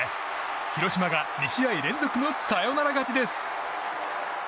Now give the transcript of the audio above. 広島が２試合連続のサヨナラ勝ちです。